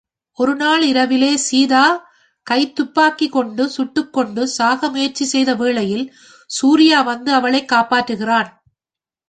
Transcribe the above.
ஒருநாள் இரவிலே, சீதா கைத்துப்பாக்கி கொண்டு சுட்டுக்கொண்டு சாக முயற்சி செய்த வேளையில், சூர்யா வந்து அவளைக் காப்பாற்றுகிறான்.